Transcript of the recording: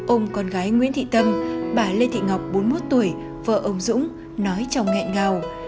ông con gái nguyễn thị tâm bà lê thị ngọc bốn mươi một tuổi vợ ông dũng nói chồng nghẹn ngào